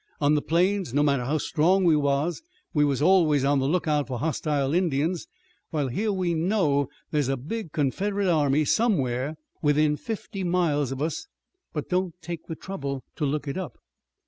On the plains, no matter how strong we was, we was always on the lookout for hostile Indians, while here we know there is a big Confederate army somewhere within fifty miles of us, but don't take the trouble to look it up."